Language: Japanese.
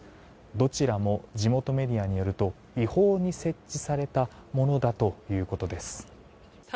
どちらも、地元メディアによると違法に設置されたものだということです。